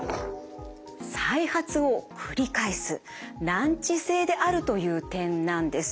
再発を繰り返す難治性であるという点なんです。